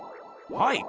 はい。